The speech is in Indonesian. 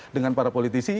dengan para politisi